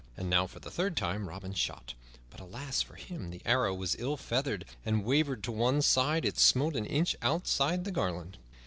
And now, for the third time Robin shot; but, alas for him! The arrow was ill feathered, and, wavering to one side, it smote an inch outside the garland.